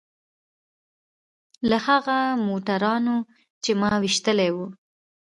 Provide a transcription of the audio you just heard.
له هغو موټرانو چې ما ويشتلي وو.